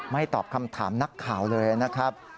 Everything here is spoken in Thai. ตอบคำถามนักข่าวเลยนะครับ